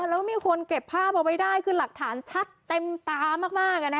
แล้วมีคนเก็บภาพเอาไว้ได้คือหลักฐานชัดเต็มตามาก